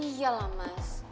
iya lah mas